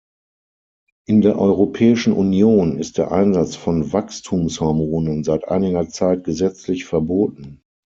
In der Europäischen Union ist der Einsatz von Wachstumshormonen seit einiger Zeit gesetzlich verboten.